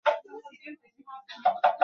父亲陈贞。